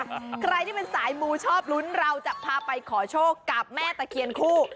ใครที่เป็นสายมูชอบลุ้นเราจะพาไปขอโชคกับแม่ตะเคียนคู่